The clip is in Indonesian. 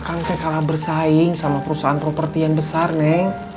akan teh kalah bersaing sama perusahaan properti yang besar neng